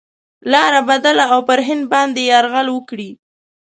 لاره بدله او پر هند باندي یرغل وکړي.